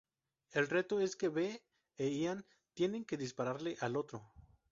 El reto es que Vee e Ian tienen que dispararle al otro.